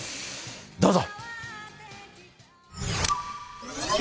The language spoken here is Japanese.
どうぞ！